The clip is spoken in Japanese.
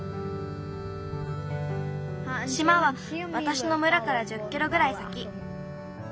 しまはわたしの村から１０キロぐらい先。